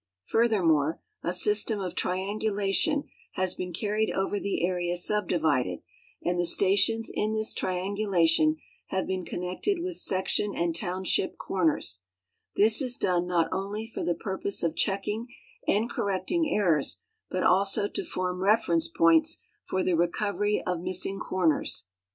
Furthermore, a system of triangulation has been carried over the area subdivided, and the stations in this triangulation have been connected with section and township corners. This is done not only for the purpose of checking and correcting errors, but also to form reference points for the recovery of missing corners, NAT. GEOG. MAG. VOL. VII, 1896, PL.